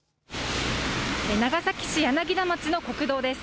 長崎市柳田町の国道です。